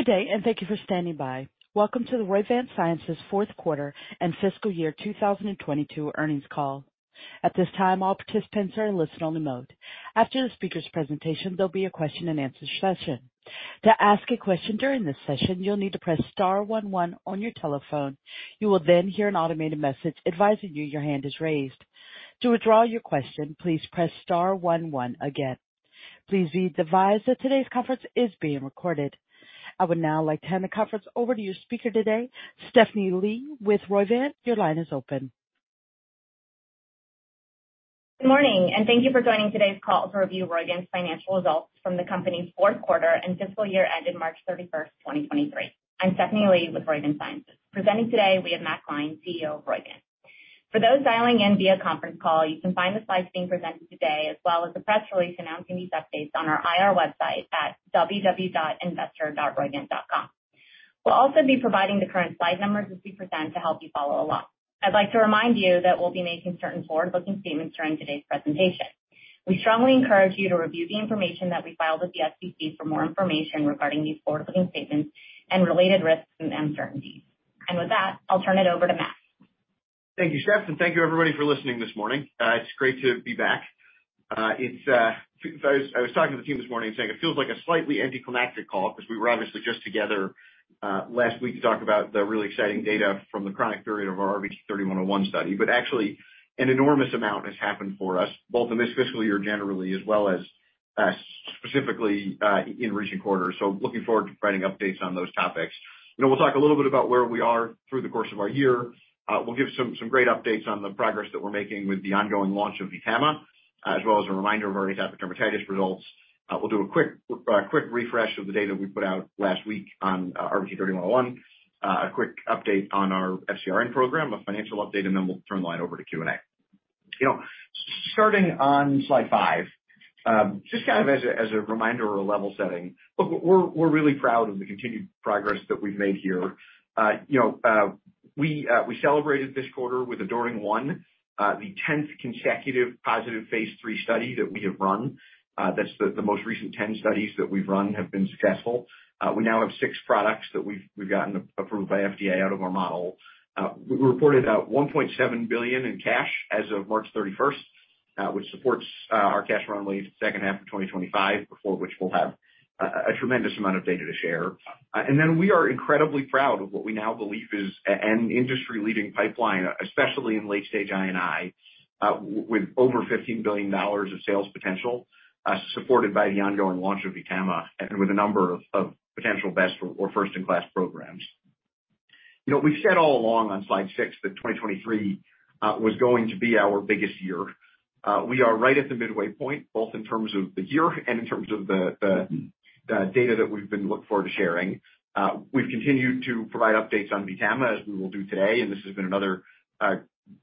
Good day, and thank you for standing by. Welcome to the Roivant Sciences fourth quarter and fiscal year 2022 earnings call. At this time, all participants are in listen-only mode. After the speaker's presentation, there'll be a question-and-answer session. To ask a question during this session, you'll need to press star one one on your telephone. You will then hear an automated message advising you your hand is raised. To withdraw your question, please press star one one again. Please be advised that today's conference is being recorded. I would now like to hand the conference over to your speaker today, Stephanie Lee, with Roivant. Your line is open. Good morning, and thank you for joining today's call to review Roivant's financial results from the company's fourth quarter and fiscal year ended March 31st, 2023. I'm Stephanie Lee with Roivant Sciences. Presenting today, we have Matt Gline, CEO of Roivant. For those dialing in via conference call, you can find the slides being presented today, as well as the press release announcing these updates on our IR website at www.investor.roivant.com. We'll also be providing the current slide numbers as we present to help you follow along. I'd like to remind you that we'll be making certain forward-looking statements during today's presentation. We strongly encourage you to review the information that we filed with the SEC for more information regarding these forward-looking statements and related risks and uncertainties. With that, I'll turn it over to Matt. Thank you, Steph, and thank you, everybody, for listening this morning. It's great to be back. I was talking to the team this morning and saying it feels like a slightly anticlimactic call because we were obviously just together last week to talk about the really exciting data from the chronic period of our RVT-3101 study. Actually, an enormous amount has happened for us, both in this fiscal year generally, as well as specifically in recent quarters. Looking forward to providing updates on those topics. You know, we'll talk a little bit about where we are through the course of our year. We'll give some great updates on the progress that we're making with the ongoing launch of VTAMA, as well as a reminder of our atopic dermatitis results. We'll do a quick refresh of the data we put out last week on RVT-3101, a quick update on our FcRn program, a financial update. Then we'll turn the line over to Q&A. You know, starting on slide five, just kind of as a reminder or a level setting, look, we're really proud of the continued progress that we've made here. You know, we celebrated this quarter with ADORING 1, the 10th consecutive positive phase III study that we have run. That's the most recent 10 studies that we've run have been successful. We now have six products that we've gotten approved by FDA out of our model. We reported $1.7 billion in cash as of March 31st, which supports our cash runway to the second half of 2025, before which we'll have a tremendous amount of data to share. Then we are incredibly proud of what we now believe is an industry-leading pipeline, especially in late-stage INI, with over $15 billion of sales potential, supported by the ongoing launch of VTAMA and with a number of potential best or first-in-class programs. You know, we've said all along on slide six, that 2023 was going to be our biggest year. We are right at the midway point, both in terms of the year and in terms of the data that we've been look forward to sharing. We've continued to provide updates on VTAMA, as we will do today, and this has been another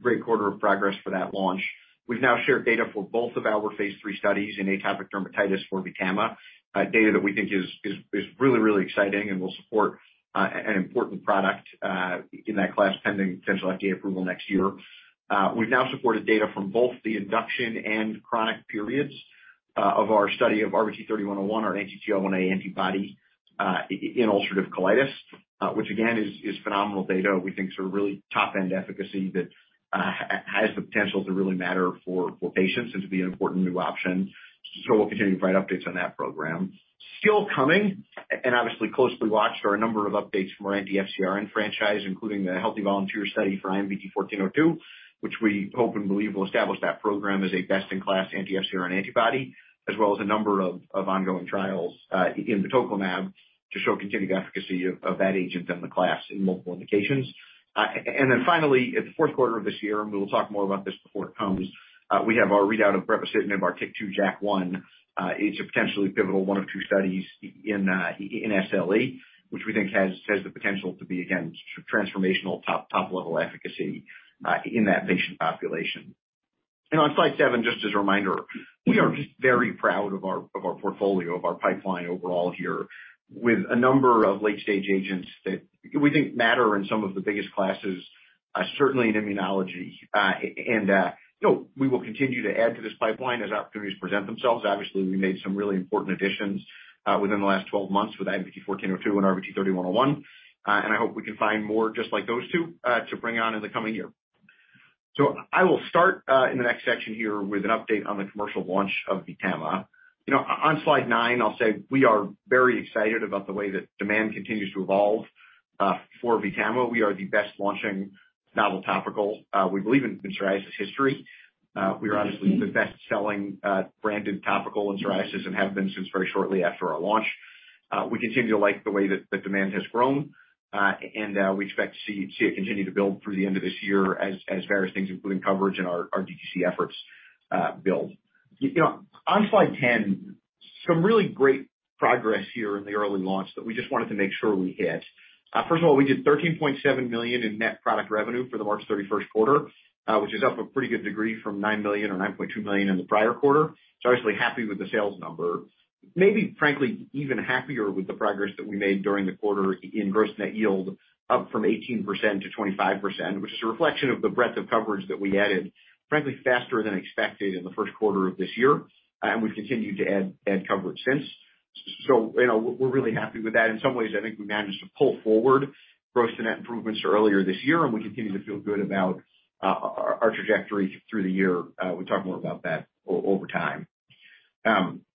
great quarter of progress for that launch. We've now shared data for both of our phase III studies in atopic dermatitis for VTAMA. Data that we think is really exciting and will support an important product in that class, pending potential FDA approval next year. We've now supported data from both the induction and chronic periods of our study of RVT-3101, our anti-TL1A antibody in ulcerative colitis, which again is phenomenal data we think is a really top-end efficacy that has the potential to really matter for patients and to be an important new option. We'll continue to provide updates on that program. Still coming, and obviously closely watched, are a number of updates from our anti-FcRn franchise, including the healthy volunteer study for IMVT-1402, which we hope and believe will establish that program as a best-in-class anti-FcRn antibody, as well as a number of ongoing trials in sotolimonab to show continued efficacy of that agent and the class in multiple indications. Then finally, at the fourth quarter of this year, and we will talk more about this before it comes, we have our readout of brepocitinib, our TYK2/JAK1. It's a potentially pivotal one of two studies in SLE, which we think has the potential to be, again, transformational top-level efficacy in that patient population. You know, on slide seven, just as a reminder, we are just very proud of our portfolio, of our pipeline overall here, with a number of late-stage agents that we think matter in some of the biggest classes, certainly in immunology. You know, we will continue to add to this pipeline as opportunities present themselves. Obviously, we made some really important additions, within the last 12 months with IMVT-1402 and RVT-3101. I hope we can find more just like those two to bring on in the coming year. I will start in the next section here with an update on the commercial launch of VTAMA. You know, on slide nine, I'll say we are very excited about the way that demand continues to evolve for VTAMA. We are the best-launching novel topical, we believe in psoriasis history. We are obviously the best-selling branded topical in psoriasis and have been since very shortly after our launch. We continue to like the way that the demand has grown, and we expect to see it continue to build through the end of this year as various things, including coverage and our DTC efforts, build. You know, on slide 10, some really great progress here in the early launch that we just wanted to make sure we hit. First of all, we did $13.7 million in net product revenue for the March 31st quarter, which is up a pretty good degree from $9 million or $9.2 million in the prior quarter. Obviously happy with the sales number. Maybe frankly, even happier with the progress that we made during the quarter in gross net yield, up from 18% to 25%, which is a reflection of the breadth of coverage that we added, frankly, faster than expected in the first quarter of this year, and we've continued to add coverage since. You know, we're really happy with that. In some ways, I think we managed to pull forward gross net improvements earlier this year, and we continue to feel good about our trajectory through the year. We'll talk more about that over time.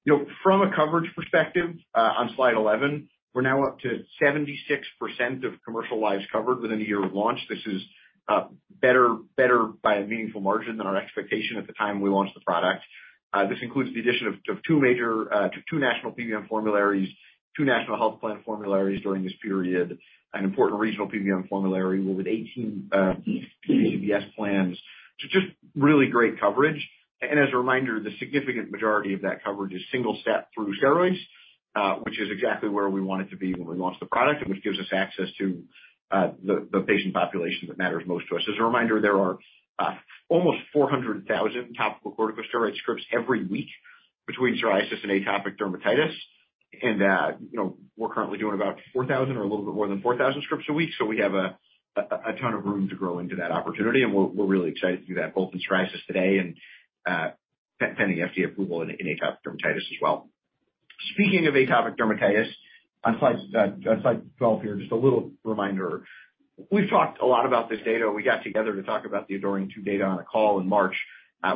You know, from a coverage perspective, on slide 11, we're now up to 76% of commercial lives covered within a year of launch. This is better by a meaningful margin than our expectation at the time we launched the product. This includes the addition of two major, two national PBM formularies, two national health plan formularies during this period, an important regional PBM formulary with 18 PBM plans. Just really great coverage. As a reminder, the significant majority of that coverage is single step through steroids, which is exactly where we wanted to be when we launched the product and which gives us access to the patient population that matters most to us. As a reminder, there are almost 400,000 topical corticosteroid scripts every week between psoriasis and atopic dermatitis. You know, we're currently doing about 4,000 or a little bit more than 4,000 scripts a week. We have a ton of room to grow into that opportunity, and we're really excited to do that, both in psoriasis today and pending FDA approval in atopic dermatitis as well. Speaking of atopic dermatitis, on slide 12 here, just a little reminder. We've talked a lot about this data. We got together to talk about the ADORING-2 data on a call in March.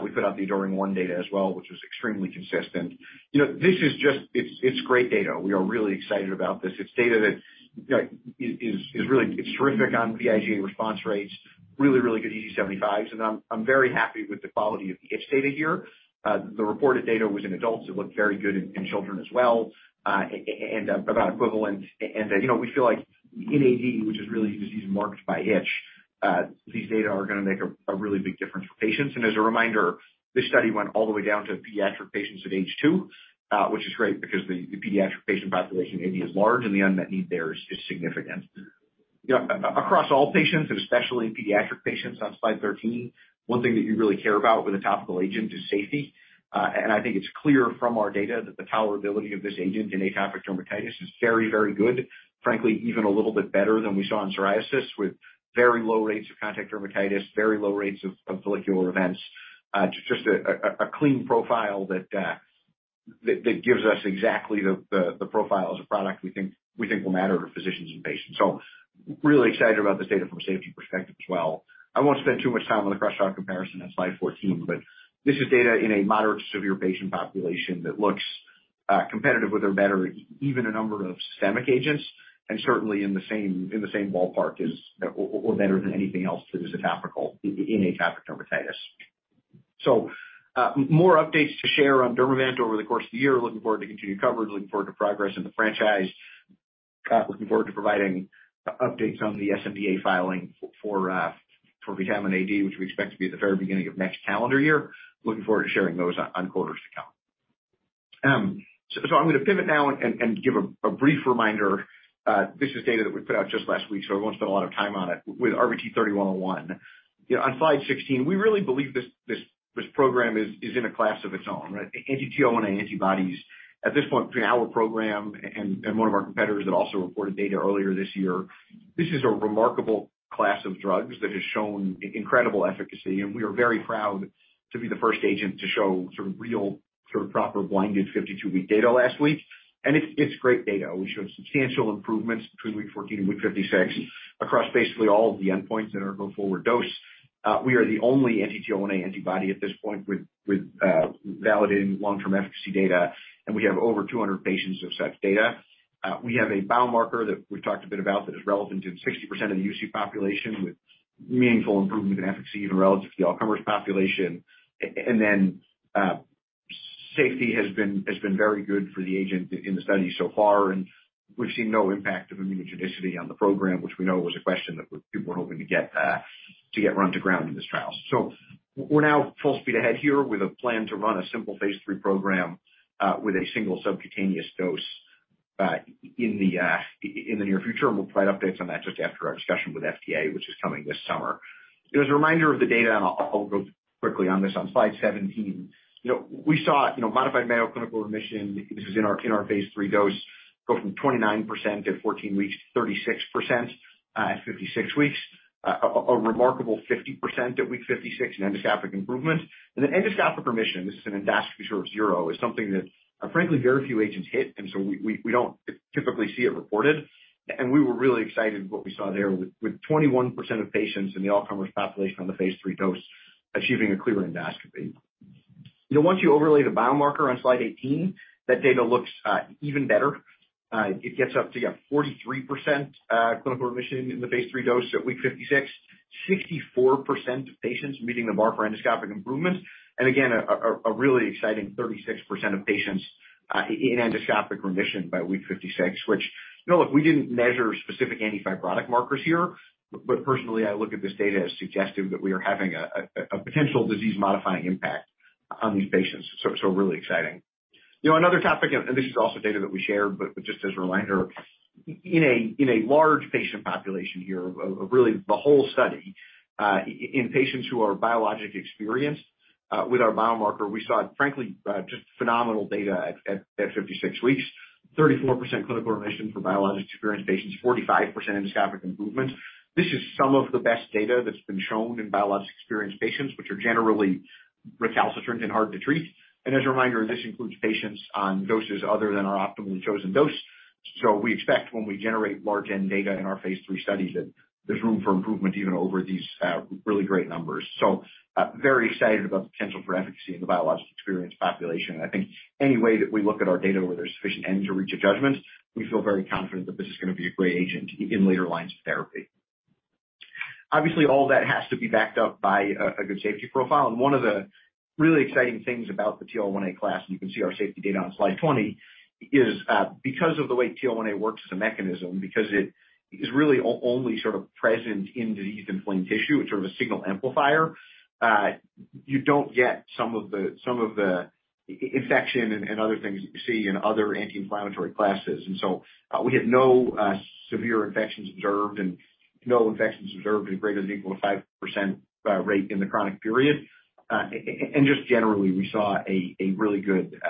We put out the ADORING-1 data as well, which was extremely consistent. You know, this is just great data. We are really excited about this. It's data that is really terrific on vIGA response rates. Really good EG75s, and I'm very happy with the quality of the itch data here. The reported data was in adults. It looked very good in children as well, and about equivalent. You know, we feel like in AD, which is really a disease marked by itch, these data are gonna make a really big difference for patients. As a reminder, this study went all the way down to pediatric patients at age two, which is great because the pediatric patient population, AD, is large, and the unmet need there is significant. You know, all patients, and especially pediatric patients on slide 13, one thing that you really care about with a topical agent is safety. I think it's clear from our data that the tolerability of this agent in atopic dermatitis is very, very good. Frankly, even a little bit better than we saw in psoriasis, with very low rates of contact dermatitis, very low rates of follicular events. Just a clean profile that gives us exactly the profile as a product we think will matter to physicians and patients. Really excited about this data from a safety perspective as well. I won't spend too much time on the cross chart comparison on slide 14, but this is data in a moderate to severe patient population that looks competitive with or better, even a number of systemic agents, and certainly in the same ballpark as or better than anything else that is a topical in atopic dermatitis. More updates to share on Dermavant over the course of the year. Looking forward to continued coverage, looking forward to progress in the franchise, looking forward to providing updates on the sNDA filing for VTAMA AD, which we expect to be at the very beginning of next calendar year. Looking forward to sharing those on quarters to come. I'm gonna pivot now and give a brief reminder. This is data that we put out just last week, so I won't spend a lot of time on it. With RVT-3101, you know, on slide 16, we really believe this program is in a class of its own, right? anti-TL1A antibodies. At this point, between our program and one of our competitors that also reported data earlier this year, this is a remarkable class of drugs that has shown incredible efficacy, and we are very proud to be the first agent to show sort of real, sort of proper blinded 52-week data last week. It's great data. We showed substantial improvements between week 14 and week 56 across basically all of the endpoints that are go forward dose. We are the only anti-TL1A antibody at this point with validating long-term efficacy data, and we have over 200 patients of such data. We have a biomarker that we've talked a bit about that is relevant to 60% of the UC population, with meaningful improvement in efficacy even relative to the all-comers population. Safety has been very good for the agent in the study so far, and we've seen no impact of immunogenicity on the program, which we know was a question that people were hoping to get run to ground in this trial. We're now full speed ahead here with a plan to run a simple phase III program with a single subcutaneous dose in the near future, and we'll provide updates on that just after our discussion with FDA, which is coming this summer. You know, as a reminder of the data, and I'll go quickly on this, on slide 17, you know, we saw, you know, modified Mayo clinical remission, this is in our, in our phase III dose, go from 29% at 14 weeks to 36% at 56 weeks. A remarkable 50% at week 56 in endoscopic improvement. The endoscopic remission, this is an endoscopy sort of zero, is something that, frankly, very few agents hit, and so we don't typically see it reported. We were really excited with what we saw there with 21% of patients in the all-comers population on the phase III dose achieving a clear endoscopy. You know, once you overlay the biomarker on slide 18, that data looks even better. It gets up to 43% clinical remission in the phase III dose at week 56. 64% of patients meeting the marker endoscopic improvement. Again, a really exciting 36% of patients in endoscopic remission by week 56, which, you know, look, we didn't measure specific antifibrotic markers here, but personally, I look at this data as suggestive that we are having a potential disease-modifying impact on these patients, so really exciting. You know, another topic, and this is also data that we shared, but just as a reminder, in a large patient population here, of really the whole study, in patients who are biologic-experienced, with our biomarker, we saw, frankly, just phenomenal data at 56 weeks. 34% clinical remission for biologic-experienced patients, 45% endoscopic improvement. This is some of the best data that's been shown in biologic-experienced patients, which are generally recalcitrant and hard to treat. As a reminder, this includes patients on doses other than our optimally chosen dose. We expect when we generate large N data in our phase III study, that there's room for improvement even over these really great numbers. Very excited about the potential for efficacy in the biological experience population. I think any way that we look at our data where there's sufficient N to reach a judgment, we feel very confident that this is gonna be a great agent in later lines of therapy. Obviously, all that has to be backed up by a good safety profile. One of the really exciting things about the TL1A class, and you can see our safety data on slide 20, is because of the way TL1A works as a mechanism, because it is really only sort of present in diseased inflamed tissue, it's sort of a signal amplifier, you don't get some of the infection and other things that you see in other anti-inflammatory classes. We have no severe infections observed and no infections observed as greater than or equal to 5% rate in the chronic period. Just generally, we saw a really good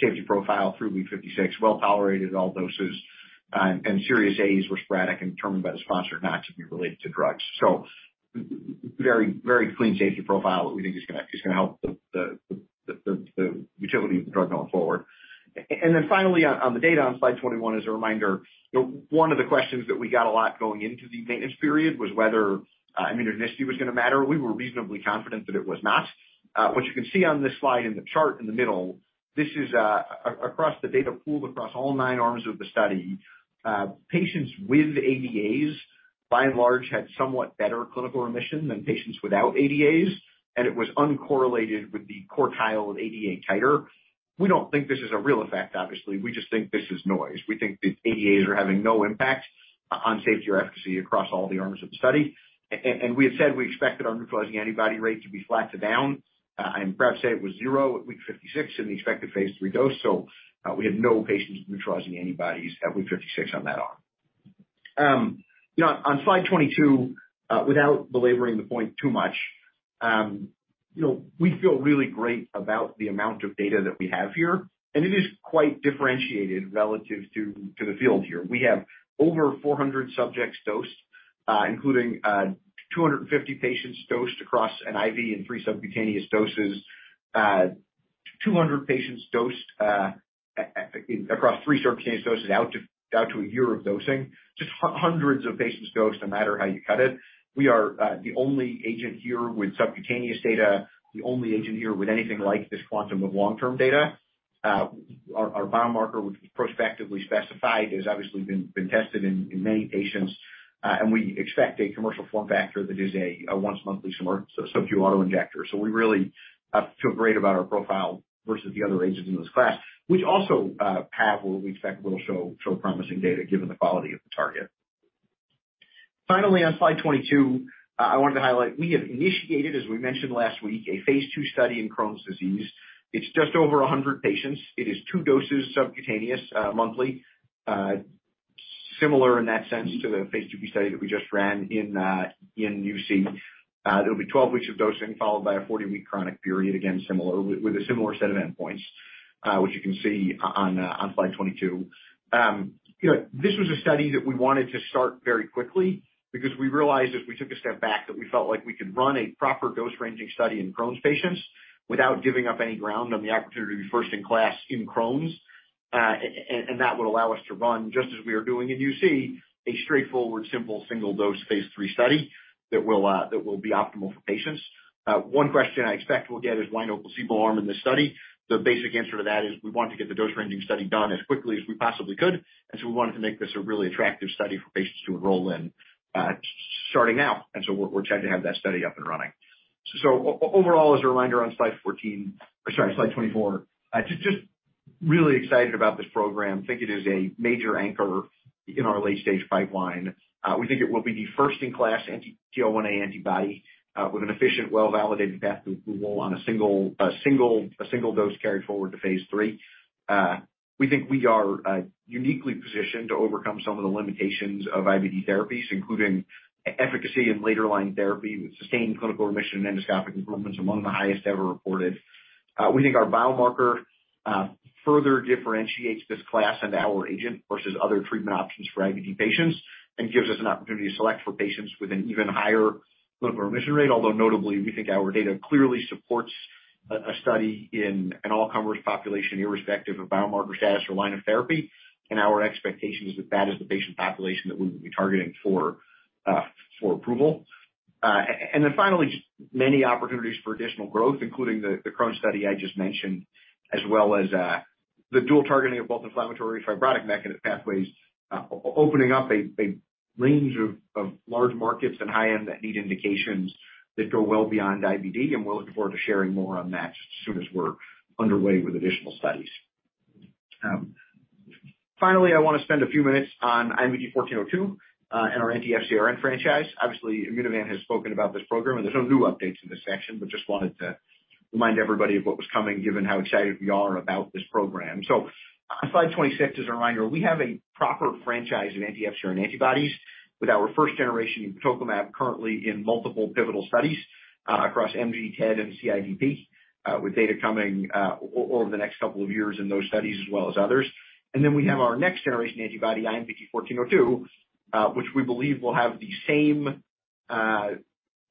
safety profile through week 56, well tolerated at all doses, and serious AEs were sporadic and determined by the sponsor not to be related to drugs. Very, very clean safety profile that we think is gonna help the utility of the drug going forward. Finally, on the data on slide 21, as a reminder, you know, one of the questions that we got a lot going into the maintenance period was whether immunogenicity was gonna matter. We were reasonably confident that it was not. What you can see on this slide in the chart in the middle, this is across the data pooled across all nine arms of the study. Patients with ADAs, by and large, had somewhat better clinical remission than patients without ADAs, and it was uncorrelated with the quartile of ADA titer. We don't think this is a real effect, obviously, we just think this is noise. We think the ADAs are having no impact on safety or efficacy across all the arms of the study. We had said we expected our neutralizing antibody rate to be flat to down, and perhaps say it was zero at week 56 in the expected phase III dose. We had no patients with neutralizing antibodies at week 56 on that arm. You know, on slide 22, without belaboring the point too much, you know, we feel really great about the amount of data that we have here, and it is quite differentiated relative to the field here. We have over 400 subjects dosed, including 250 patients dosed across an IV and three subcutaneous doses. 200 patients dosed across three subcutaneous doses out to a year of dosing. Just hundreds of patients dosed, no matter how you cut it. We are the only agent here with subcutaneous data, the only agent here with anything like this quantum of long-term data. Our biomarker, which was prospectively specified, has obviously been tested in many patients, and we expect a commercial form factor that is a once monthly similar subcu auto-injector. So we really feel great about our profile versus the other agents in this class, which also have what we expect will show promising data given the quality of the target. Finally, on slide 22, I wanted to highlight, we have initiated, as we mentioned last week, a phase II study in Crohn's disease. It's just over 100 patients. It is two doses, subcutaneous, monthly. Similar in that sense to the phase II-B study that we just ran in UC. There'll be 12 weeks of dosing, followed by a 40-week chronic period, again, similar with a similar set of endpoints, which you can see on slide 22. You know, this was a study that we wanted to start very quickly because we realized as we took a step back, that we felt like we could run a proper dose-ranging study in Crohn's patients without giving up any ground on the opportunity to be first in class in Crohn's. And that would allow us to run just as we are doing in UC, a straightforward, simple, single-dose phase III study that will be optimal for patients. One question I expect we'll get is, "Why no placebo arm in this study?" The basic answer to that is we want to get the dose-ranging study done as quickly as we possibly could, and so we wanted to make this a really attractive study for patients to enroll in, starting now. We're excited to have that study up and running. Overall, as a reminder, on slide 14, or sorry, slide 24, just really excited about this program. Think it is a major anchor in our late-stage pipeline. We think it will be the first in class anti-TL1A antibody, with an efficient, well-validated path to approval on a single dose carried forward to phase III. We think we are uniquely positioned to overcome some of the limitations of IBD therapies, including efficacy in later line therapy, with sustained clinical remission and endoscopic improvements among the highest ever reported. We think our biomarker further differentiates this class and our agent versus other treatment options for IBD patients, and gives us an opportunity to select for patients with an even higher clinical remission rate. Although, notably, we think our data clearly supports a study in an all-comers population, irrespective of biomarker status or line of therapy. Our expectation is that that is the patient population that we will be targeting for approval. Then finally, just many opportunities for additional growth, including the Crohn's study I just mentioned, as well as the dual targeting of both inflammatory fibrotic pathways, opening up a range of large markets and high-end that need indications that go well beyond IBD, and we're looking forward to sharing more on that just as soon as we're underway with additional studies. Finally, I want to spend a few minutes on IMVT-1402 and our anti-FCRN franchise. Obviously, Immunovant has spoken about this program, and there's no new updates in this section, but just wanted to remind everybody of what was coming, given how excited we are about this program. On slide 26, as a reminder, we have a proper franchise of anti-FcRn antibodies with our first-generation batoclimab currently in multiple pivotal studies across MG, TED, and CIDP. With data coming over the next couple of years in those studies as well as others. We have our next generation antibody, IMVT-1402, which we believe will have the same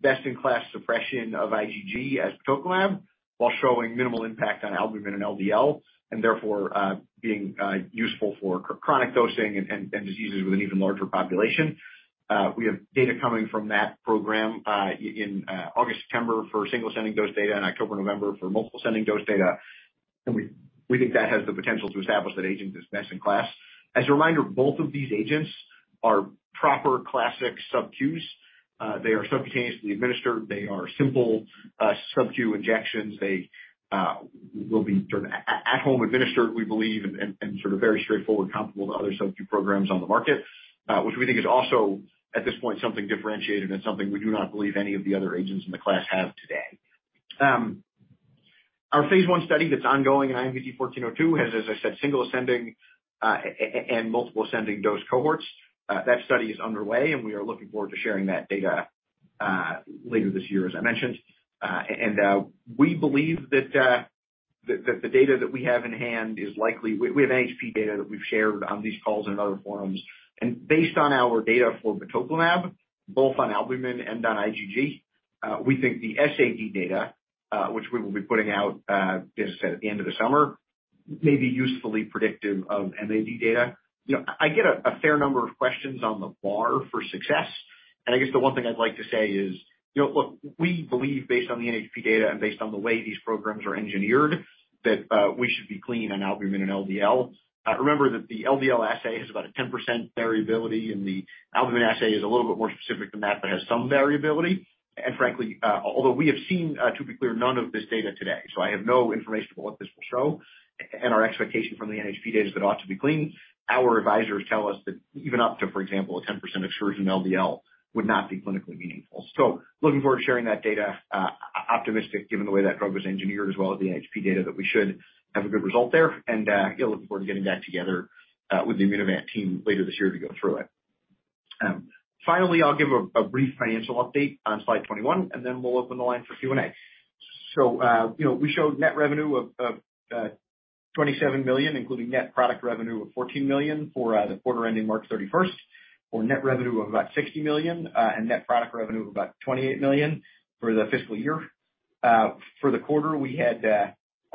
best-in-class suppression of IgG as batoclimab, while showing minimal impact on albumin and LDL, and therefore, being useful for chronic dosing and diseases with an even larger population. We have data coming from that program in August, September for single ascending dose data, and October, November for multiple ascending dose data. We think that has the potential to establish that agent as best in class. As a reminder, both of these agents are proper classic subQs. They are subcutaneously administered. They are simple, subQ injections. They will be sort of at home administered, we believe, and, sort of very straightforward, comparable to other subQ programs on the market, which we think is also, at this point, something differentiated and something we do not believe any of the other agents in the class have today. Our phase I study that's ongoing in IMVT-1402 has, as I said, single ascending and multiple ascending dose cohorts. That study is underway, and we are looking forward to sharing that data later this year, as I mentioned. We believe that the data that we have in hand is likely -- we have NHP data that we've shared on these calls and other forums, and based on our data for batoclimab, both on albumin and on IgG, we think the SAD data, which we will be putting out, as I said, at the end of the summer, may be usefully predictive of MAD data. You know, I get a fair number of questions on the bar for success, and I guess the one thing I'd like to say is, you know, look, we believe based on the NHP data and based on the way these programs are engineered, that we should be clean on albumin and LDL. Remember that the LDL assay has about a 10% variability, and the albumin assay is a little bit more specific than that, but has some variability. Frankly, although we have seen, to be clear, none of this data today, so I have no information about what this will show, and our expectation from the NHP data is it ought to be clean. Our advisors tell us that even up to, for example, a 10% excursion LDL would not be clinically meaningful. Looking forward to sharing that data, optimistic, given the way that drug was engineered, as well as the NHP data, that we should have a good result there. Yeah, looking forward to getting back together with the Immunovant team later this year to go through it. Finally, I'll give a brief financial update on slide 21, and then we'll open the line for Q&A. You know, we showed net revenue of $27 million, including net product revenue of $14 million for the quarter ending March 31st, or net revenue of about $60 million and net product revenue of about $28 million for the fiscal year. For the quarter, we had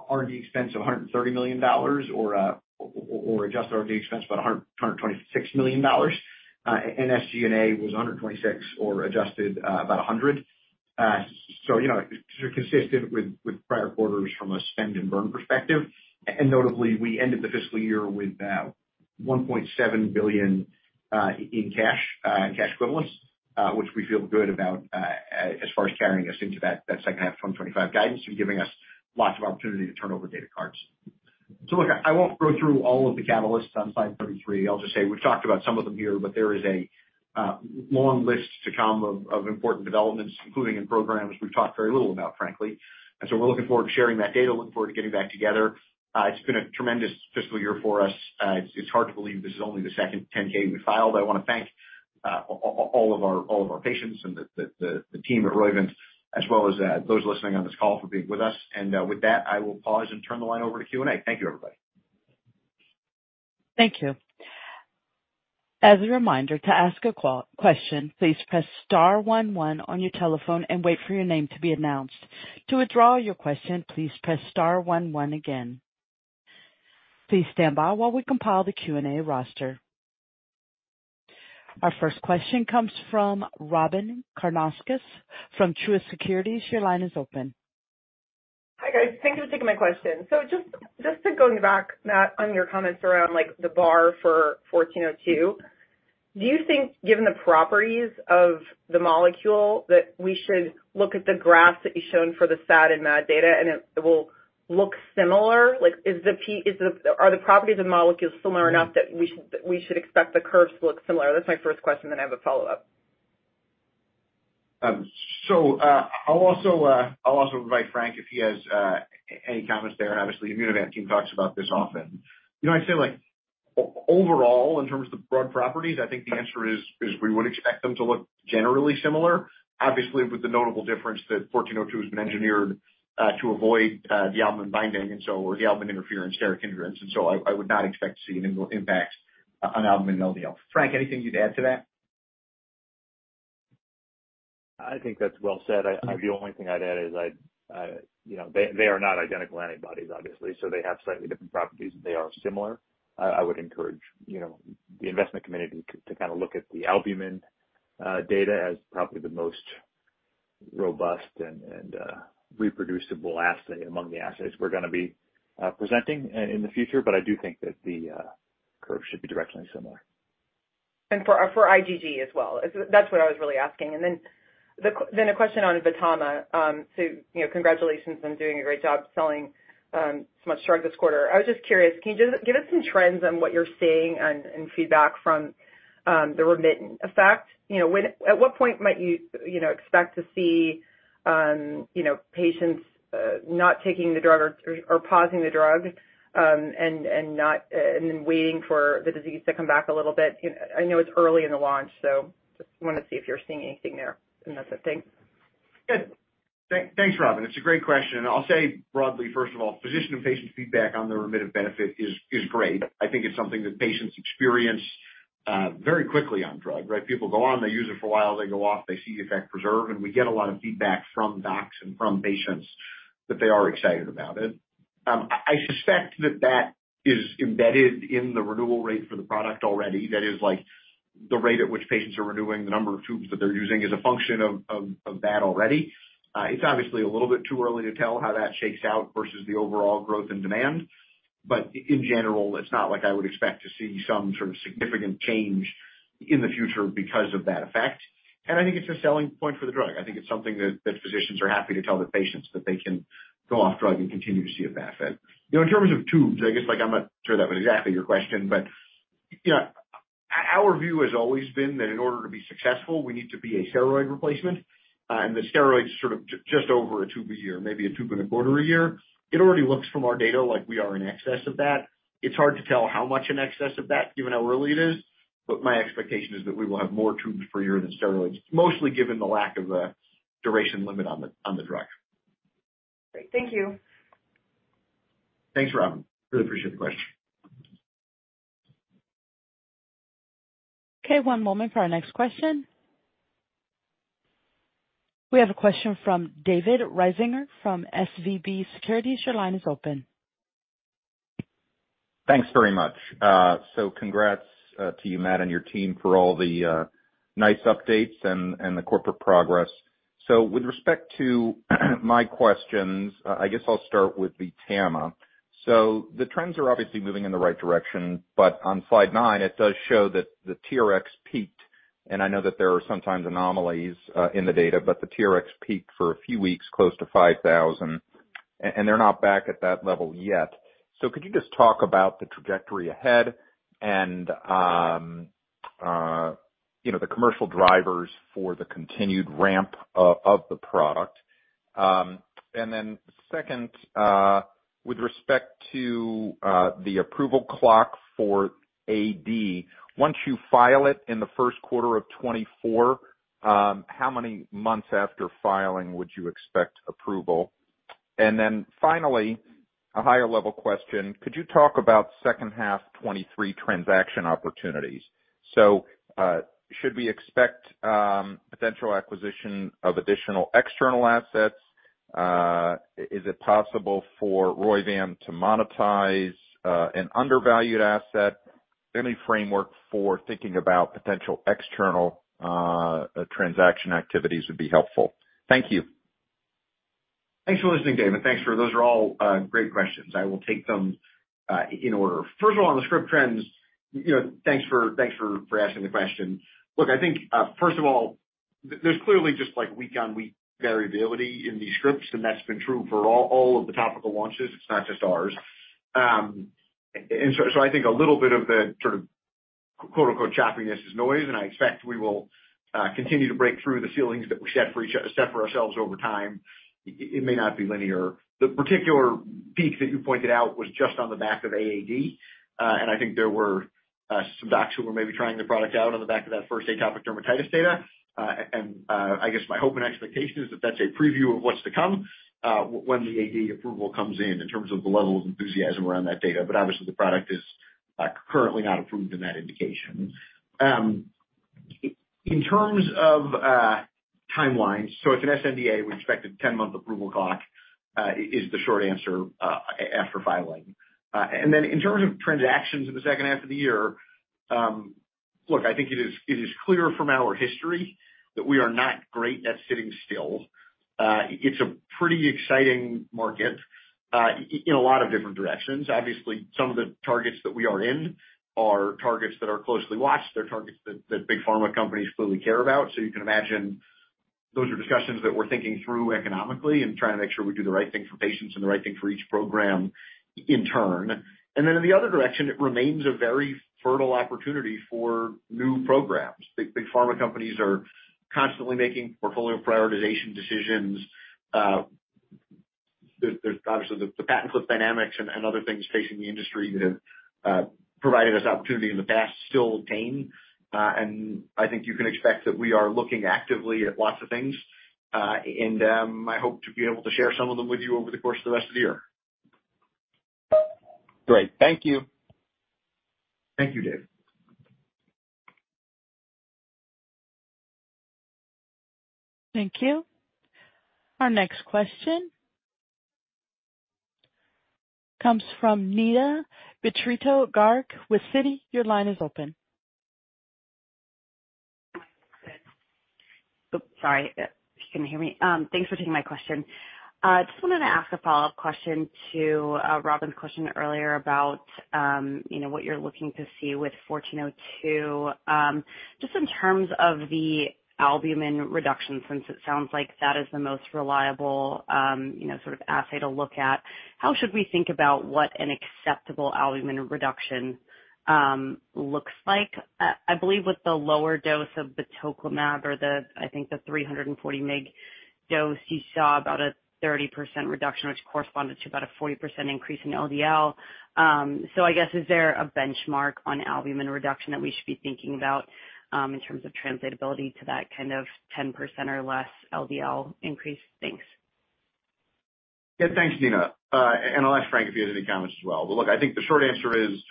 R&D expense of $130 million or adjusted R&D expense about $126 million. And SG&A was $126 or adjusted about $100. You know, consistent with prior quarters from a spend and burn perspective. Notably, we ended the fiscal year with $1.7 billion in cash and cash equivalents, which we feel good about as far as carrying us into that second half of 2025 guidance and giving us lots of opportunity to turn over data cards. Look, I won't go through all of the catalysts on slide 33. I'll just say we've talked about some of them here, but there is a long list to come of important developments, including in programs we've talked very little about, frankly. We're looking forward to sharing that data, looking forward to getting back together. It's been a tremendous fiscal year for us. It's hard to believe this is only the second 10-K we filed. I want to thank all of our patients and the team at Roivant, as well as those listening on this call for being with us. With that, I will pause and turn the line over to Q&A. Thank you, everybody. Thank you. As a reminder, to ask a question, please press star one one on your telephone and wait for your name to be announced. To withdraw your question, please press star one one again. Please stand by while we compile the Q&A roster. Our first question comes from Robyn Karnauskas from Truist Securities. Your line is open. Hi, guys. Thank you for taking my question. Just to going back, Matt, on your comments around like the bar for 1402, do you think given the properties of the molecule, that we should look at the graphs that you've shown for the SAD and MAD data, and it will look similar? Like is the -- are the properties of molecules similar enough that we should expect the curves to look similar? That's my first question, then I have a follow-up. I'll also invite Frank if he has any comments there. Obviously, the Immunovant team talks about this often. You know, I'd say like overall, in terms of the broad properties, I think the answer is we would expect them to look generally similar. Obviously, with the notable difference that 1402 has been engineered to avoid the albumin binding and so, or the albumin interference steric hindrance, and so I would not expect to see an impact on albumin LDL. Frank, anything you'd add to that? I think that's well said. The only thing I'd add is, you know, they are not identical antibodies, obviously, so they have slightly different properties. They are similar. I would encourage, you know, the investment community to kind of look at the albumin data as probably the most robust and reproducible assay among the assays we're going to be presenting in the future. I do think that the curve should be directly similar. For IgG as well. That's what I was really asking. Then a question on VTAMA. You know, congratulations on doing a great job selling so much drug this quarter. I was just curious, can you just give us some trends on what you're seeing and feedback from the remittent effect? You know, when at what point might you know, expect to see, you know, patients not taking the drug or pausing the drug, and not waiting for the disease to come back a little bit? You know, I know it's early in the launch, so just want to see if you're seeing anything there, and that's it. Thanks. Good. Thanks, Robyn. I'll say broadly, first of all, physician and patient feedback on the remittive benefit is great. I think it's something that patients experience very quickly on drug, right? People go on, they use it for a while, they go off, they see the effect preserve, and we get a lot of feedback from docs and from patients that they are excited about it. I suspect that that is embedded in the renewal rate for the product already. That is, like, the rate at which patients are renewing, the number of tubes that they're using, is a function of that already. it's obviously a little bit too early to tell how that shakes out versus the overall growth and demand, but in general, it's not like I would expect to see some sort of significant change in the future because of that effect. I think it's a selling point for the drug. I think it's something that physicians are happy to tell their patients, that they can go off drug and continue to see effect. You know, in terms of tubes, I guess, like, I'm not sure that was exactly your question, but, you know, our view has always been that in order to be successful, we need to be a steroid replacement, and the steroids sort of just over a tube a year, maybe a tube and a quarter a year. It already looks from our data like we are in excess of that. It's hard to tell how much in excess of that, given how early it is, my expectation is that we will have more tubes per year than steroids, mostly given the lack of a duration limit on the drug. Great. Thank you. Thanks, Robyn. Really appreciate the question. Okay, one moment for our next question. We have a question from David Risinger from SVB Securities. Your line is open. Thanks very much. Congrats to you, Matt, and your team for all the nice updates and the corporate progress. With respect to my questions, I guess I'll start with VTAMA. The trends are obviously moving in the right direction, but on slide nine, it does show that the TRX peaked, and I know that there are sometimes anomalies in the data, but the TRX peaked for a few weeks close to 5,000, and they're not back at that level yet. Could you just talk about the trajectory ahead and, you know, the commercial drivers for the continued ramp of the product? Second, with respect to the approval clock for AD, once you file it in the first quarter of 2024, how many months after filing would you expect approval? Finally, a higher level question, could you talk about second half 2023 transaction opportunities? Should we expect potential acquisition of additional external assets? Is it possible for Roivant to monetize an undervalued asset? Any framework for thinking about potential external transaction activities would be helpful. Thank you. Thanks for listening, David, and thanks for those are all great questions. I will take them in order. First of all, on the script trends, you know, thanks for asking the question. Look, I think, first of all, there's clearly just like week on week variability in these scripts, and that's been true for all of the topical launches. It's not just ours. I think a little bit of the sort of, quote, unquote, "choppiness" is noise, and I expect we will continue to break through the ceilings that we set for ourselves over time. It may not be linear. The particular peak that you pointed out was just on the back of AAD. I think there were some docs who were maybe trying the product out on the back of that first atopic dermatitis data. I guess my hope and expectation is that that's a preview of what's to come when the AD approval comes in terms of the level of enthusiasm around that data, but obviously the product is currently not approved in that indication. In terms of timelines, so it's an sNDA, we expect a 10-month approval clock is the short answer after filing. In terms of transactions in the second half of the year, look, I think it is clear from our history that we are not great at sitting still. It's a pretty exciting market in a lot of different directions. Obviously, some of the targets that we are in are targets that are closely watched. They're targets that big pharma companies clearly care about. You can imagine those are discussions that we're thinking through economically and trying to make sure we do the right thing for patients and the right thing for each program in turn. Then in the other direction, it remains a very fertile opportunity for new programs. Big pharma companies are constantly making portfolio prioritization decisions. There's obviously the patent cliff dynamics and other things facing the industry that provided us opportunity in the past still obtain, and I think you can expect that we are looking actively at lots of things. I hope to be able to share some of them with you over the course of the rest of the year. Great. Thank you. Thank you, David. Thank you. Our next question comes from Neena Bitritto-Garg with Citi. Your line is open. Oops, sorry. Can you hear me? Thanks for taking my question. Just wanted to ask a follow-up question to Robyn's question earlier about, you know, what you're looking to see with 1402. Just in terms of the albumin reduction, since it sounds like that is the most reliable, you know, sort of assay to look at, how should we think about what an acceptable albumin reduction looks like? I believe with the lower dose of batoclimab or the, I think the 340 mg dose, you saw about a 30% reduction, which corresponded to about a 40% increase in LDL. I guess, is there a benchmark on albumin reduction that we should be thinking about, in terms of translatability to that kind of 10% or less LDL increase? Thanks. Thanks, Neena. I'll ask Frank if he has any comments as well. Look, I think the short answer is,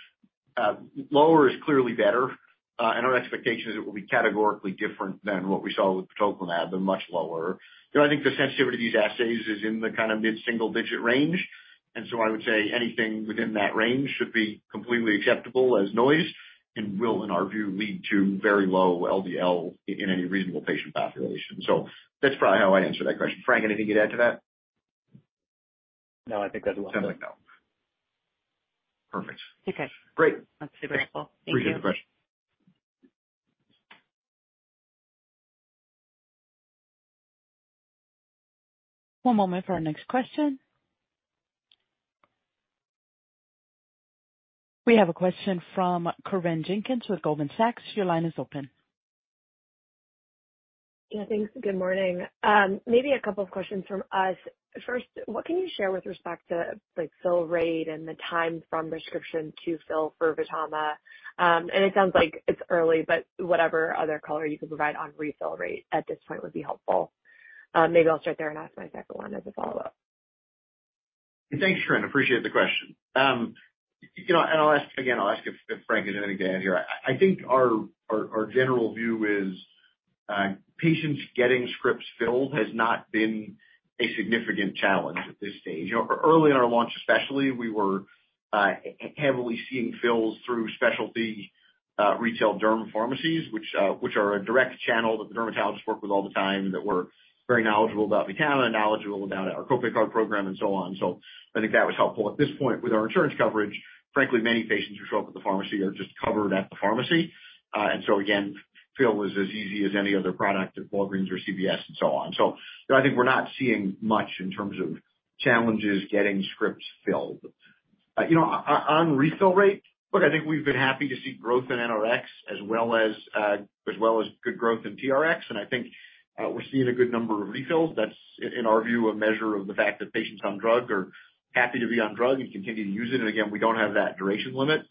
lower is clearly better, and our expectation is it will be categorically different than what we saw with sotrovimab, but much lower. You know, I think the sensitivity of these assays is in the kind of mid-single digit range, I would say anything within that range should be completely acceptable as noise, and will, in our view, lead to very low LDL in any reasonable patient population. That's probably how I'd answer that question. Frank, anything you'd add to that? No, I think that's well said. Sounds like no. Perfect. Okay. Great. That's super helpful. Thank you. Appreciate the question. One moment for our next question. We have a question from Corinne Jenkins with Goldman Sachs. Your line is open. Yeah, thanks. Good morning. Maybe a couple of questions from us. First, what can you share with respect to, like, fill rate and the time from prescription to fill for VTAMA? It sounds like it's early, but whatever other color you can provide on refill rate at this point would be helpful. Maybe I'll start there and ask my second one as a follow-up. Thanks, Corinne, appreciate the question. You know, again, I'll ask if Frank has anything to add here. I think our general view is patients getting scripts filled has not been a significant challenge at this stage. You know, early in our launch especially, we were heavily seeing fills through specialty retail derm pharmacies, which are a direct channel that the dermatologists work with all the time, and that we're very knowledgeable about VTAMA, knowledgeable about our copay card program and so on. I think that was helpful. At this point, with our insurance coverage, frankly, many patients who show up at the pharmacy are just covered at the pharmacy. Again, fill was as easy as any other product at Walgreens or CVS and so on. You know, I think we're not seeing much in terms of challenges getting scripts filled. You know, on refill rate, look, I think we've been happy to see growth in RX as well as good growth in TRX. I think, we're seeing a good number of refills. That's in our view, a measure of the fact that patients on drug are happy to be on drug and continue to use it. Again, we don't have that duration limit.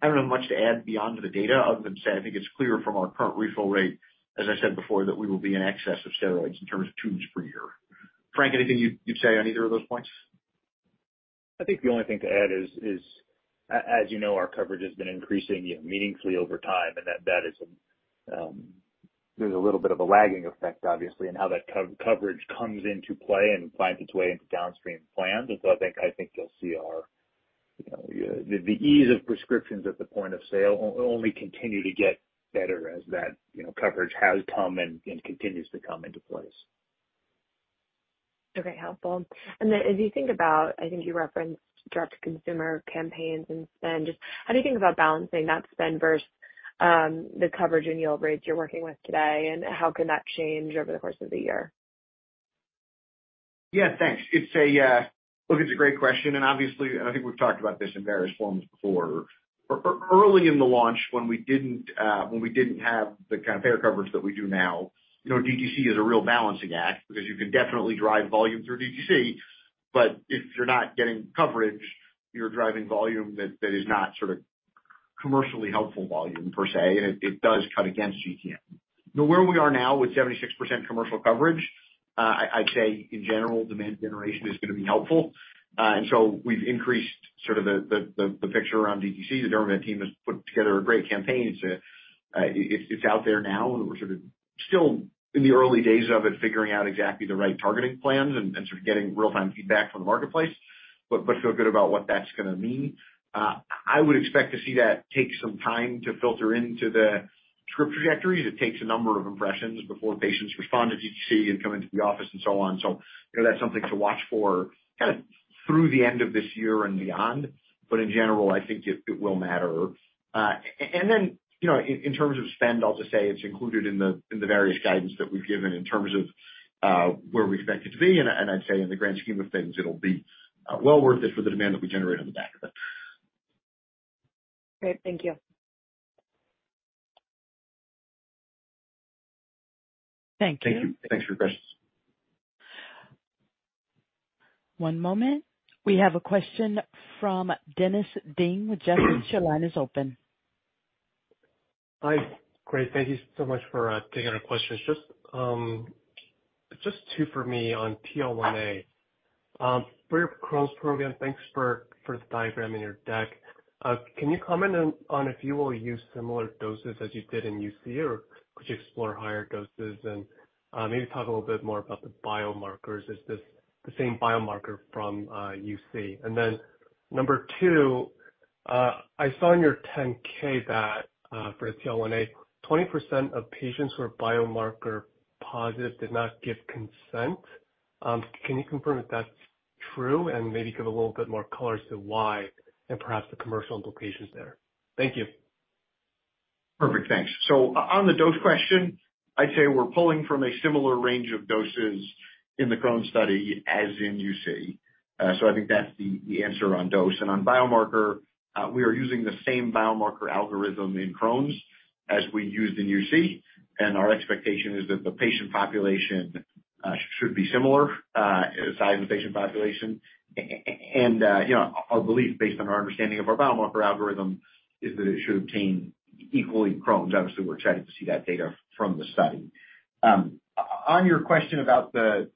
I don't have much to add beyond the data, other than to say, I think it's clear from our current refill rate, as I said before, that we will be in excess of steroids in terms of tubes per year. Frank, anything you'd say on either of those points? I think the only thing to add is, as you know, our coverage has been increasing, you know, meaningfully over time, and that is, there's a little bit of a lagging effect, obviously, in how that coverage comes into play and finds its way into downstream plans. I think you'll see our, you know, the ease of prescriptions at the point of sale will only continue to get better as that, you know, coverage has come and continues to come into place. Okay, helpful. As you think about, I think you referenced direct to consumer campaigns and spend, just how do you think about balancing that spend versus, the coverage and yield rates you're working with today? How can that change over the course of the year? Yeah, thanks. Look, it's a great question. Obviously, I think we've talked about this in various forms before. Early in the launch when we didn't, when we didn't have the kind of payer coverage that we do now, you know, DTC is a real balancing act because you can definitely drive volume through DTC, but if you're not getting coverage, you're driving volume that is not sort of commercially helpful volume per se, and it does cut against you. Where we are now with 76% commercial coverage, I'd say in general, demand generation is going to be helpful. We've increased sort of the picture around DTC. The Dermavant team has put together a great campaign. It's out there now, and we're sort of still in the early days of it, figuring out exactly the right targeting plans and sort of getting real-time feedback from the marketplace, but feel good about what that's gonna mean. I would expect to see that take some time to filter into the script trajectories. It takes a number of impressions before patients respond to DTC and come into the office and so on. You know, that's something to watch for kind of through the end of this year and beyond, but in general, I think it will matter. Then, you know, in terms of spend, I'll just say it's included in the various guidance that we've given in terms of where we expect it to be. I'd say in the grand scheme of things, it'll be well worth it for the demand that we generate on the back of it. Great. Thank you. Thank you. Thank you. Thanks for your questions. One moment. We have a question from Dennis Ding with Jefferies. Your line is open. Hi. Great, thank you so much for taking our questions. Just two for me on TL1A. For your Crohn's program, thanks for the diagram in your deck. Can you comment on if you will use similar doses as you did in UC, or could you explore higher doses? Maybe talk a little bit more about the biomarkers? Is this the same biomarker from UC? Number two, I saw in your 10-K that for TL1A, 20% of patients who are biomarker positive did not give consent. Can you confirm if that's true, and maybe give a little bit more color as to why, and perhaps the commercial implications there? Thank you. Perfect. Thanks. On the dose question, I'd say we're pulling from a similar range of doses in the Crohn's study as in UC. So I think that's the answer on dose. On biomarker, we are using the same biomarker algorithm in Crohn's as we used in UC, and our expectation is that the patient population should be similar size of the patient population. you know, our belief, based on our understanding of our biomarker algorithm, is that it should equally Crohn's. Obviously, we're excited to see that data from the study. On your question about the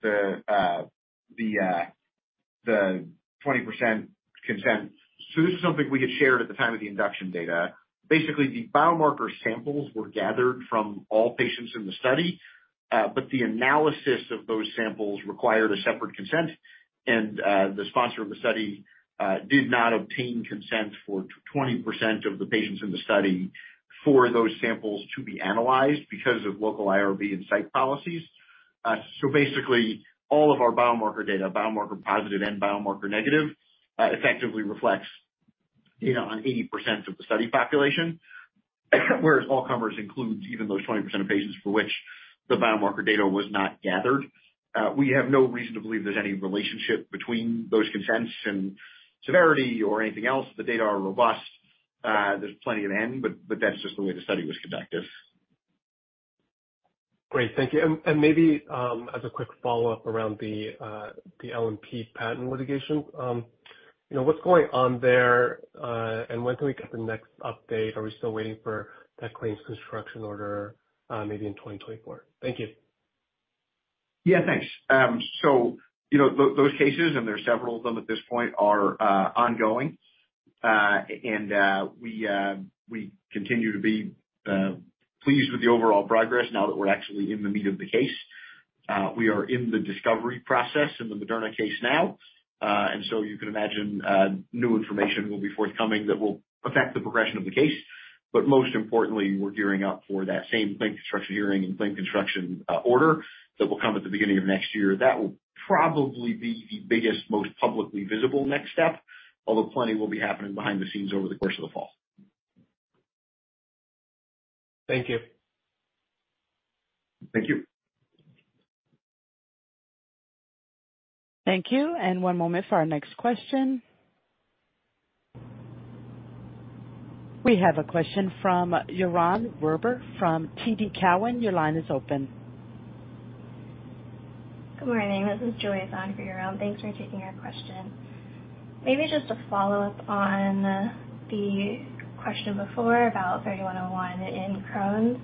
20% consent. This is something we had shared at the time of the induction data. Basically, the biomarker samples were gathered from all patients in the study, but the analysis of those samples required a separate consent. The sponsor of the study did not obtain consent for 20% of the patients in the study for those samples to be analyzed, because of local IRB and site policies. Basically, all of our biomarker data, biomarker positive and biomarker negative, effectively reflects data on 80% of the study population. Whereas all comers includes even those 20% of patients for which the biomarker data was not gathered. We have no reason to believe there's any relationship between those consents and severity or anything else. The data are robust. There's plenty of N, but that's just the way the study was conducted. Great. Thank you. Maybe, as a quick follow-up around the LNP patent litigation. You know, what's going on there, and when can we get the next update? Are we still waiting for that claims construction order, maybe in 2024? Thank you. Yeah, thanks. You know, those cases, and there are several of them at this point, are ongoing. We continue to be pleased with the overall progress now that we're actually in the meat of the case. We are in the discovery process in the Moderna case now. You can imagine, new information will be forthcoming that will affect the progression of the case, but most importantly, we're gearing up for that same claim construction hearing and claim construction order that will come at the beginning of next year. That will probably be the biggest, most publicly visible next step, although plenty will be happening behind the scenes over the course of the fall. Thank you. Thank you. Thank you, and one moment for our next question. We have a question from Yaron Werber from TD Cowen. Your line is open. Good morning. This is Julia, on for Yaron. Thanks for taking our question. Maybe just a follow-up on the question before about RVT-3101 in Crohn's.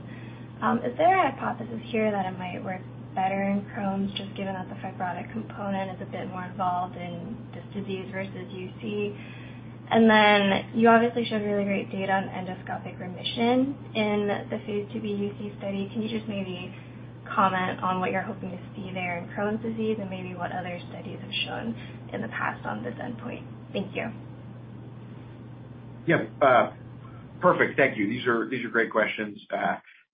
Is there a hypothesis here that it might work better in Crohn's, just given that the fibrotic component is a bit more involved in this disease versus UC? Then you obviously showed really great data on endoscopic remission in the phase II-B UC study. Can you just maybe comment on what you're hoping to see there in Crohn's disease, and maybe what other studies have shown in the past on this endpoint? Thank you. Perfect. Thank you. These are great questions.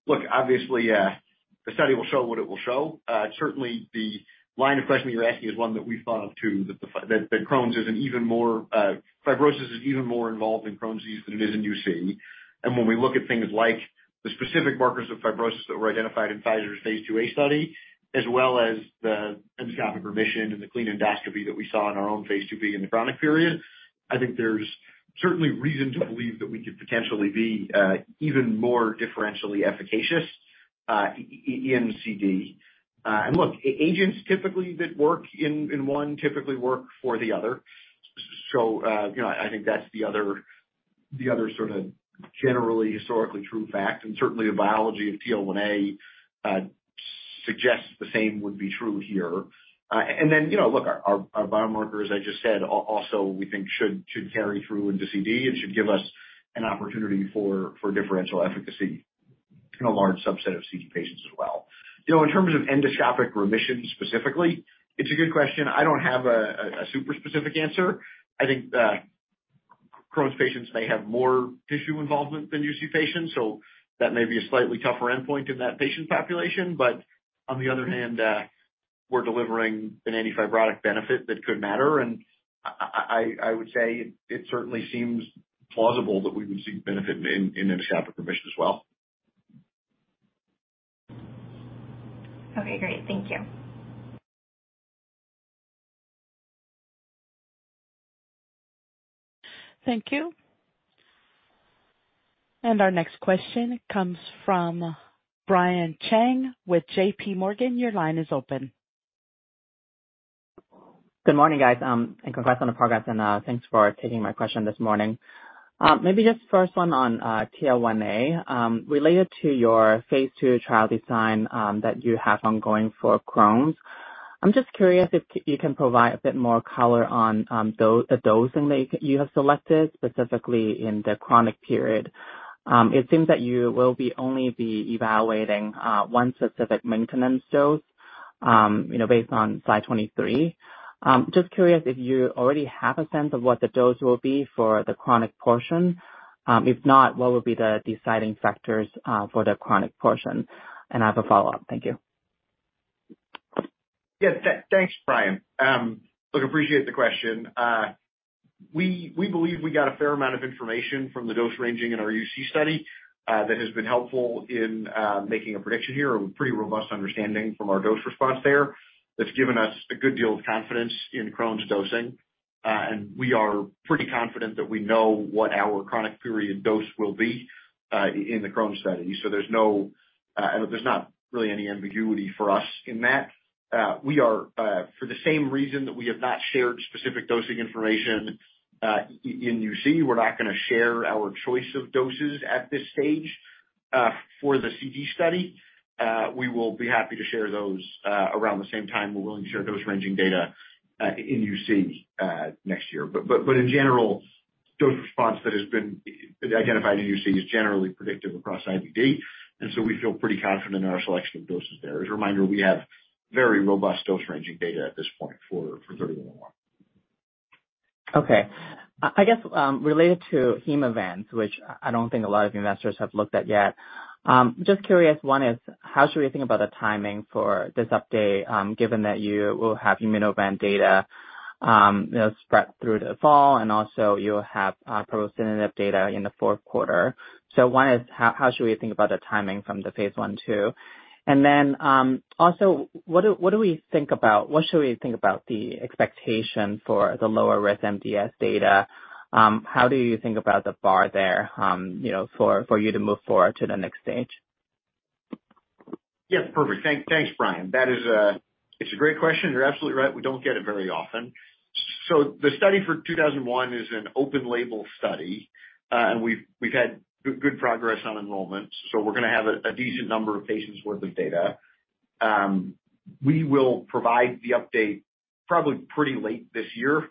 Look, obviously, the study will show what it will show. Certainly, the line of questioning you're asking is one that we've thought of, too, that Crohn's is an even more, fibrosis is even more involved in Crohn's disease than it is in UC. When we look at things like the specific markers of fibrosis that were identified in Pfizer's phase II-A study, as well as the endoscopic remission and the clean endoscopy that we saw in our own phase II-B in the chronic period, I think there's certainly reason to believe that we could potentially be even more differentially efficacious in CD. Look, agents typically that work in one, typically work for the other. You know, I think that's the other, the other sort of generally historically true fact, and certainly the biology of TL1A suggests the same would be true here. You know, look, our, our biomarkers, I just said, also we think should carry through into CD and should give us an opportunity for differential efficacy in a large subset of CD patients as well. You know, in terms of endoscopic remission, specifically, it's a good question. I don't have a super specific answer. I think Crohn's patients may have more tissue involvement than UC patients, so that may be a slightly tougher endpoint in that patient population. On the other hand, we're delivering an antifibrotic benefit that could matter, and I would say it certainly seems plausible that we would see benefit in endoscopic remission as well. Okay, great. Thank you. Thank you. Our next question comes from Brian Cheng with J.P. Morgan. Your line is open. Good morning, guys, congrats on the progress, thanks for taking my question this morning. Maybe just first one on TL1A. Related to your phase II trial design that you have ongoing for Crohn's, I'm just curious if you can provide a bit more color on the dosing that you have selected, specifically in the chronic period. It seems that you will be only be evaluating one specific maintenance dose, you know, based on Psy-23. Just curious if you already have a sense of what the dose will be for the chronic portion. If not, what would be the deciding factors for the chronic portion? I have a follow-up. Thank you. Yeah. Thanks, Brian. Look, appreciate the question. We believe we got a fair amount of information from the dose ranging in our UC study that has been helpful in making a prediction here, a pretty robust understanding from our dose response there. That's given us a good deal of confidence in Crohn's dosing, and we are pretty confident that we know what our chronic period dose will be in the Crohn's study. There's no, there's not really any ambiguity for us in that. We are, for the same reason that we have not shared specific dosing information in UC, we're not going to share our choice of doses at this stage for the CG study. We will be happy to share those around the same time we're willing to share dose ranging data in UC next year. In general, dose response that has been identified in UC is generally predictive across IBD, and so we feel pretty confident in our selection of doses there. As a reminder, we have very robust dose-ranging data at this point for RVT-3101. Okay. I guess, related to HEMA events, which I don't think a lot of investors have looked at yet. Just curious, one is how should we think about the timing for this update, given that you will have Immunovant data, you know, spread through the fall, and also you'll have ropsacitinib data in the fourth quarter. One is how should we think about the timing from the phase I/II? Also, what should we think about the expectation for the lower-risk MDS data? How do you think about the bar there, you know, for you to move forward to the next stage? Yeah, perfect. Thanks, Brian. That is a great question, you're absolutely right, we don't get it very often. The study for RVT-2001 is an open label study, and we've had good progress on enrollment, we're going to have a decent number of patients worth of data. We will provide the update probably pretty late this year,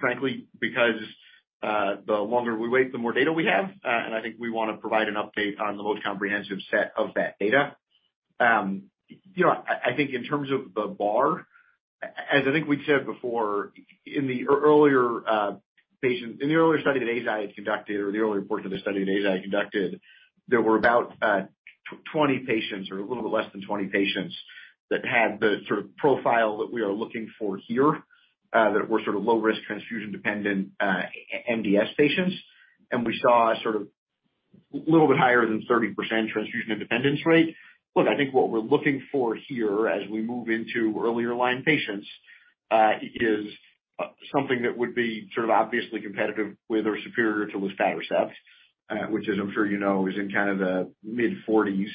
frankly, because the longer we wait, the more data we have. I think we want to provide an update on the most comprehensive set of that data. You know, I think in terms of the bar, as I think we'd said before, in the earlier study that ASI had conducted or the early report that the study that ASI conducted, there were about 20 patients or a little bit less than 20 patients, that had the sort of profile that we are looking for here. That were sort of low-risk transfusion-dependent MDS patients. We saw sort of little bit higher than 30% transfusion independence rate. Look, I think what we're looking for here as we move into earlier line patients, is something that would be sort of obviously competitive with or superior to Luspatercept, which as I'm sure you know, is in kind of the mid-40s,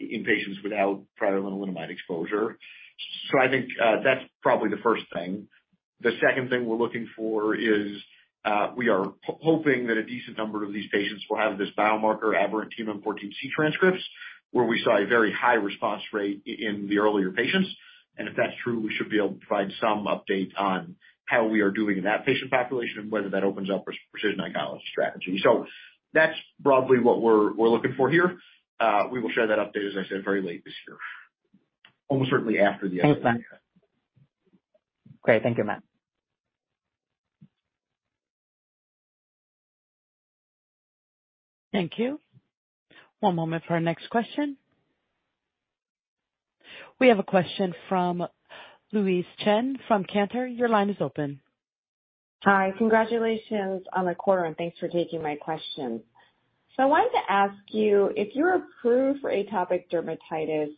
in patients without priolalinomide exposure. I think that's probably the first thing. The second thing we're looking for is, we are hoping that a decent number of these patients will have this biomarker aberrant TMEM14C transcripts, where we saw a very high response rate in the earlier patients. If that's true, we should be able to provide some update on how we are doing in that patient population and whether that opens up a precision oncology strategy. That's broadly what we're looking for here. We will share that update, as I said, very late this year. Thanks, Matt. Great. Thank you, Matt. Thank you. One moment for our next question. We have a question from Louise Chen from Cantor. Your line is open. Hi. Congratulations on the quarter, and thanks for taking my questions. I wanted to ask you if you're approved for atopic dermatitis,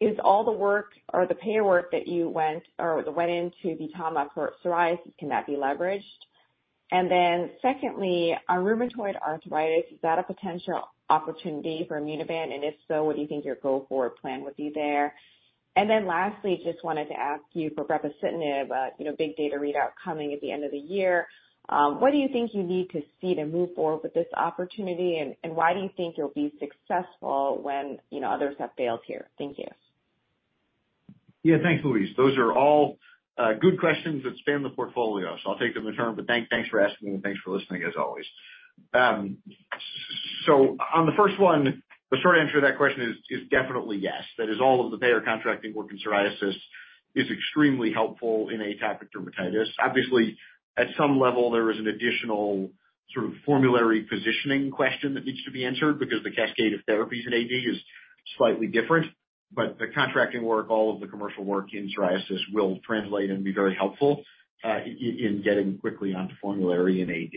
is all the work or the payer work that went into VTAMA for psoriasis, can that be leveraged? Secondly, on rheumatoid arthritis, is that a potential opportunity for Immunovant? If so, what do you think your go-forward plan would be there? Lastly, just wanted to ask you for ropsacitinib, you know, big data readout coming at the end of the year. What do you think you need to see to move forward with this opportunity, and why do you think you'll be successful when, you know, others have failed here? Thank you. Yeah, thanks, Louise. Those are all good questions that span the portfolio, I'll take them in turn, but thanks for asking them and thanks for listening, as always. On the first one, the short answer to that question is definitely yes. That is all of the payer contracting work in psoriasis is extremely helpful in atopic dermatitis. Obviously, at some level, there is an additional sort of formulary positioning question that needs to be answered, because the cascade of therapies in AD is slightly different, but the contracting work, all of the commercial work in psoriasis will translate and be very helpful in getting quickly onto formulary and AD.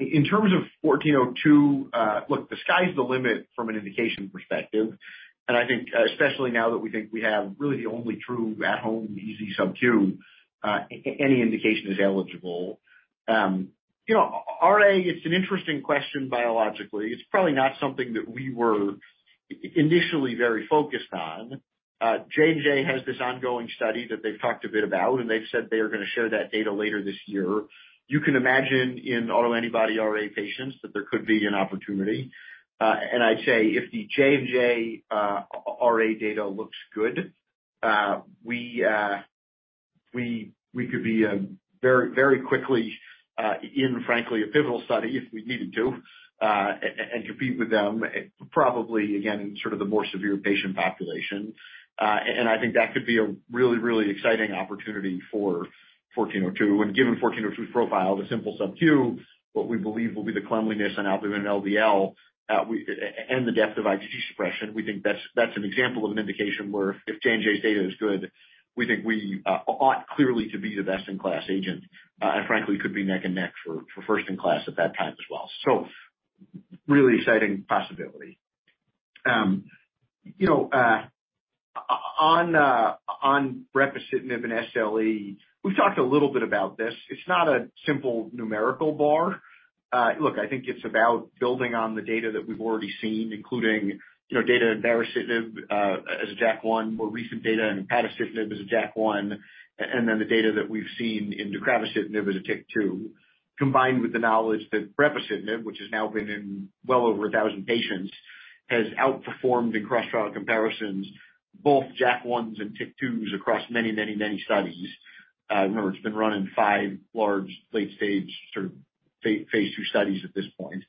In terms of 1402, look, the sky's the limit from an indication perspective, and I think, especially now that we think we have really the only true at-home easy sub Q, any indication is eligible. You know, RA, it's an interesting question biologically. It's probably not something that we were initially very focused on. J&J has this ongoing study that they've talked a bit about, and they've said they are going to share that data later this year. You can imagine in autoantibody RA patients, that there could be an opportunity. I'd say if the J&J RA data looks good, we could be very quickly in frankly, a pivotal study if we needed to, and compete with them, probably again, in sort of the more severe patient population. I think that could be a really, really exciting opportunity for 1402. Given 1402's profile, the simple sub Q, what we believe will be the cleanliness and albumin and LDL, and the depth of IgG suppression, we think that's an example of an indication where if J&J's data is good, we think we ought clearly to be the best-in-class agent, and frankly, could be neck and neck for first-in-class at that time as well. Really exciting possibility. You know, on brepocitinib and SLE, we've talked a little bit about this. It's not a simple numerical bar. Look, I think it's about building on the data that we've already seen, including, you know, data in baricitinib as a JAK1, more recent data in upadacitinib as a JAK1, and then the data that we've seen in tucatinib as a TYK2, combined with the knowledge that brepocitinib, which has now been in well over 1,000 patients, has outperformed in cross trial comparisons, both JAK1s and TYK2s across many, many, many studies. Remember, it's been run in five large late stage, sort of phase II studies at this point.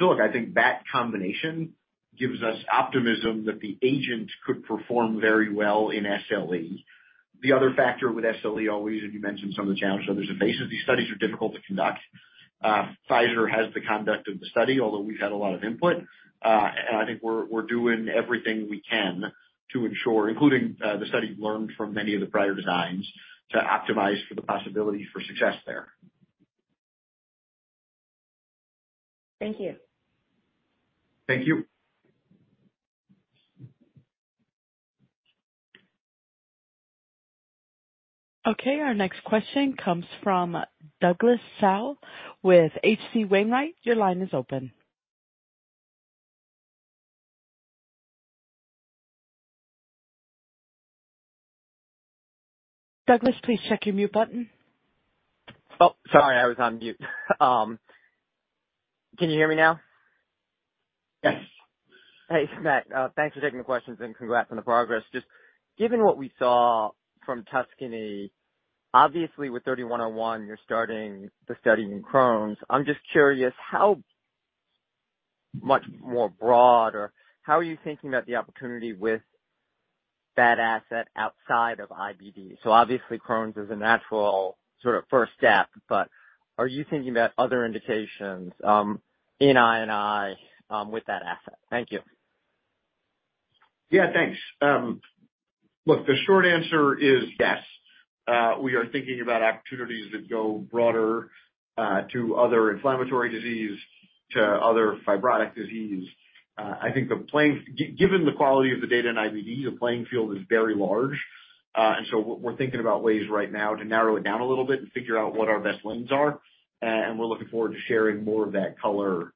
Look, I think that combination gives us optimism that the agent could perform very well in SLE. The other factor with SLE always, and you mentioned some of the challenges others have faced, is these studies are difficult to conduct. Pfizer has the conduct of the study, although we've had a lot of input. I think we're doing everything we can to ensure, including, the study learned from many of the prior designs, to optimize for the possibility for success there. Thank you. Thank you. Okay, our next question comes from Douglas Tsao with H.C. Wainwright. Your line is open. Douglas, please check your mute button. Oh, sorry, I was on mute. Can you hear me now? Yes. Hey, Matt, thanks for taking the questions and congrats on the progress. Just given what we saw from TUSCANY-2, obviously with RVT-3101, you're starting the study in Crohn's. I'm just curious how much more broad, or how are you thinking about the opportunity with that asset outside of IBD? Obviously, Crohn's is a natural sort of first step, but are you thinking about other indications, in I&I, with that asset? Thank you. Yeah, thanks. Look, the short answer is yes. We are thinking about opportunities that go broader, to other inflammatory disease, to other fibrotic disease. I think given the quality of the data in IBD, the playing field is very large. We're thinking about ways right now to narrow it down a little bit and figure out what our best lens are, and we're looking forward to sharing more of that color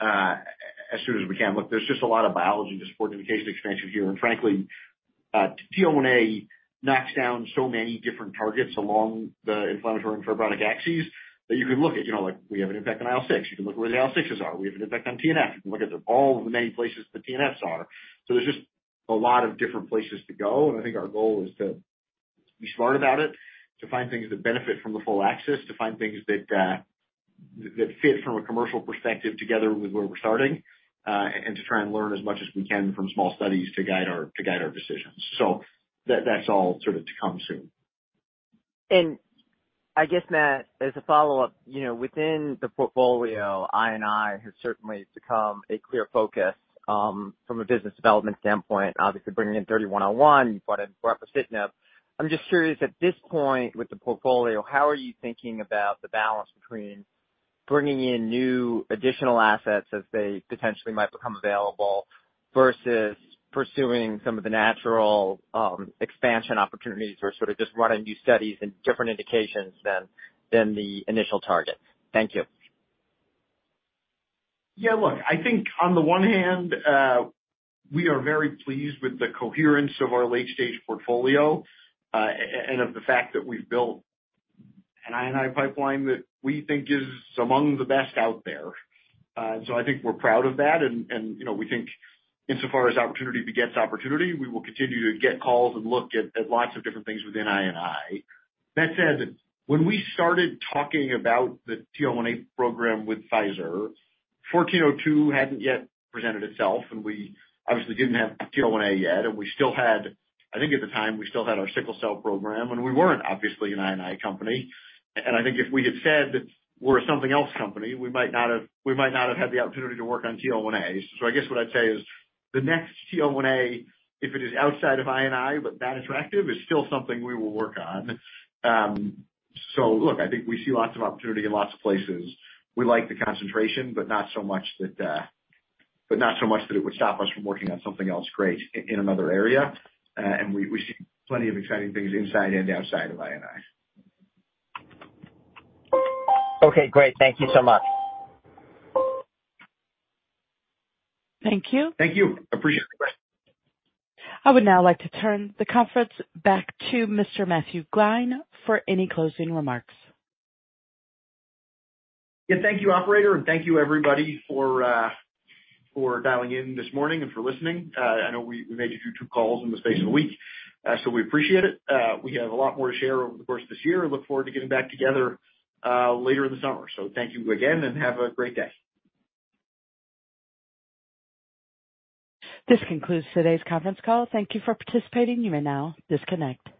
as soon as we can. Look, there's just a lot of biology to support indication expansion here, frankly, TL1A knocks down so many different targets along the inflammatory and fibrotic axes that you can look at. You know, like we have an effect on IL-6. You can look where the IL-6s are. We have an effect on TNF. You can look at all the many places the TNFs are. There's just a lot of different places to go, and I think our goal is to be smart about it, to find things that benefit from the full axis, to find things that fit from a commercial perspective together with where we're starting, and to try and learn as much as we can from small studies to guide our decisions. That's all sort of to come soon. I guess, Matt, as a follow-up, you know, within the portfolio, I&I has certainly become a clear focus from a business development standpoint, obviously bringing in RVT-3101, you bought in brepocitinib. I'm just curious, at this point with the portfolio, how are you thinking about the balance between bringing in new additional assets as they potentially might become available, versus pursuing some of the natural expansion opportunities or sort of just running new studies in different indications than the initial targets? Thank you. Look, I think on the one hand, we are very pleased with the coherence of our late-stage portfolio, and of the fact that we've built an I&I pipeline that we think is among the best out there. I think we're proud of that, and, you know, we think insofar as opportunity begets opportunity, we will continue to get calls and look at lots of different things within I&I. When we started talking about the TL1A program with Pfizer, IMVT-1402 hadn't yet presented itself, and we obviously didn't have TL1A yet, and we still had, I think at the time, we still had our sickle cell program, and we weren't obviously an I&I company. I think if we had said we're a something else company, we might not have, we might not have had the opportunity to work on TL1A. I guess what I'd say is the next TL1A, if it is outside of I&I, but that attractive, is still something we will work on. Look, I think we see lots of opportunity in lots of places. We like the concentration, but not so much that it would stop us from working on something else great in another area. We see plenty of exciting things inside and outside of I&I. Okay, great. Thank you so much. Thank you. Thank you. Appreciate the question. I would now like to turn the conference back to Mr. Matt Gline for any closing remarks. Yeah, thank you, operator. Thank you everybody for dialing in this morning and for listening. I know we made you do two calls in the space of a week. We appreciate it. We have a lot more to share over the course of this year. Look forward to getting back together later in the summer. Thank you again. Have a great day. This concludes today's conference call. Thank you for participating. You may now disconnect.